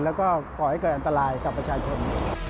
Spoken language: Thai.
แล้วก็ก่อให้เกิดอันตรายกับประชาชน